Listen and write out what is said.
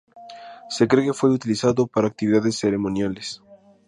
Se cree que fue utilizado para actividades ceremoniales.